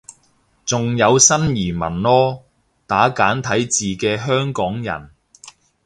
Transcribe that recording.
仲有新移民囉，打簡體字嘅香港人